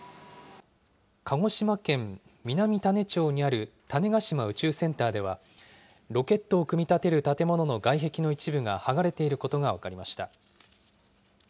鹿児島県南種子町にある種子島宇宙センターでは、ロケットを組み立てる建物の外壁の一部が剥がれていることが分かりました。